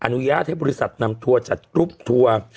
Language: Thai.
อนุญาตให้บริษัทนำทัวร์จัดกรุ๊ปทัวร์